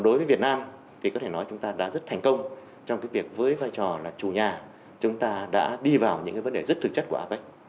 đối với việt nam thì có thể nói chúng ta đã rất thành công trong việc với vai trò là chủ nhà chúng ta đã đi vào những vấn đề rất thực chất của apec